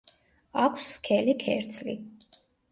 აქვს სქელი ქერცლი.